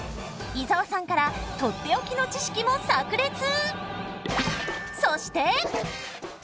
伊沢さんから取って置きの知識もさく裂！